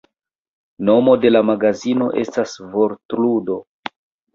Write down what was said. Nomo de la magazino estas vortludo.